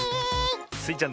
スイちゃん